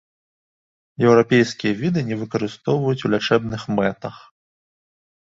Еўрапейскія віды не выкарыстоўваюць у лячэбных мэтах.